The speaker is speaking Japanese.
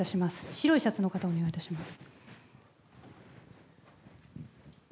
白いシャツの方、お願いいたします。